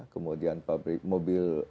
kemudian pabrik mobil